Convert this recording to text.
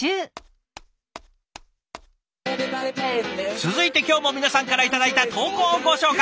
続いて今日も皆さんから頂いた投稿をご紹介。